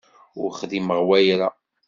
Ur xdimeɣ wayra.